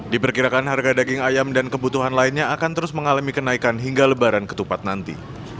diperkirakan harga daging ayam dan kebutuhan lainnya akan terus mengalami kenaikan hingga lebaran ketupat nanti